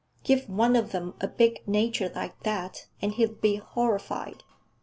Give one of 'em a big nature like that, and he'd be horrified.